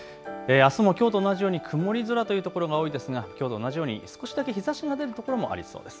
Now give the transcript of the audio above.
あすもきょうと同じように曇り空というところが多いですがきょうと同じように少しだけ日ざしが出るところもありそうです。